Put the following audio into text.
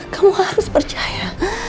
kamu harus percaya